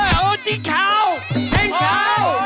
โหที่ขาวเจ๊งขาว